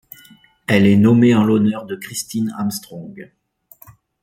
Elle est nommée en l'honneur de Kristin Armstrong.